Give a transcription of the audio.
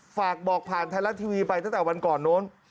ฝากบอกผ่านไทยรัฐทีวีไปตั้งแต่วันก่อนโน้น